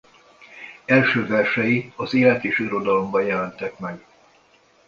Első versei az Élet és irodalomban jelentek meg.